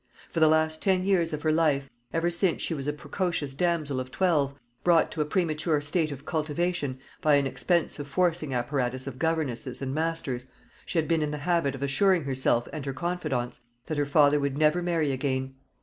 For the last ten years of her life, ever since she was a precocious damsel of twelve, brought to a premature state of cultivation by an expensive forcing apparatus of governesses and masters, she had been in the habit of assuring herself and her confidantes that her father would never marry again.